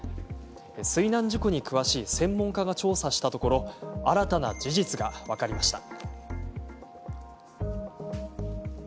水難事故に詳しい専門家が調査したところ新たな事実が分かりました。